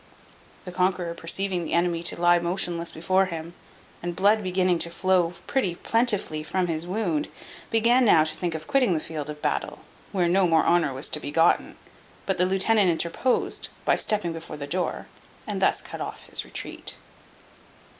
The conqueror perceiving the enemy to lie motionless before him, and blood beginning to flow pretty plentifully from his wound, began now to think of quitting the field of battle, where no more honour was to be gotten; but the lieutenant interposed, by stepping before the door, and thus cut off his retreat.